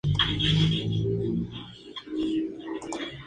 La experiencia fue un fracaso de crítica y de público.